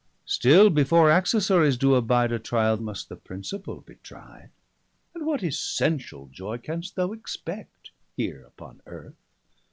_] Still before Accessories doe abide 385 A triall, must the principall be tride. And what essentiall joy can'st thou expect Here upon earth?